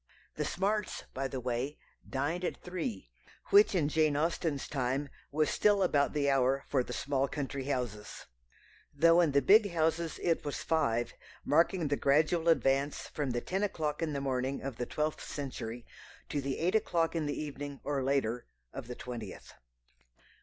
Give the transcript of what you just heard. The Smarts, by the way, dined at three, which in Jane Austen's time was still about the hour for the small country houses, though in the big houses it was five, marking the gradual advance from the ten o'clock in the morning of the twelfth century to the eight o'clock in the evening or later of the twentieth.